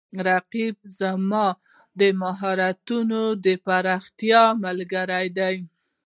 رقیب زما د مهارتونو د پراختیا ملګری دی